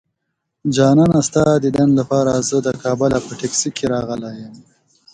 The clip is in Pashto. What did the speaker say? جانانه ستا ديدن لپاره زه د کابله په ټکسي راغلی يمه